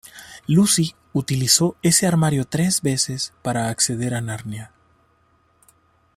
Lucy utilizó ese armario tres veces para acceder a Narnia.